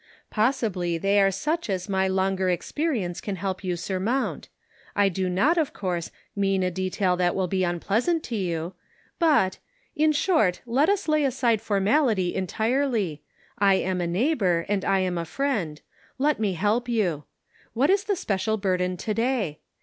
Possibly they are such as my longer experience can help you surmount. I do not, of course, mean a detail that will be unpleasant to you, but — in short, let us lay aside formality entirely ; I am a neighbor, and I am a friend ; let me help you.' What is the special burden to day?